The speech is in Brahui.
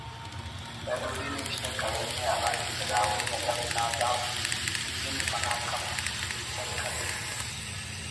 پیروڈی نوشتہ کرینے ہرا کہ براہوئی ادب نا دا صنف انا کمتی ءِ ایسر کرے